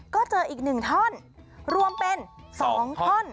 ก็เจออีกหนึ่งท่อนรวมเป็นสองท่อน